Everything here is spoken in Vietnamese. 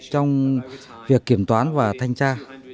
trong việc kiểm toán và thanh tra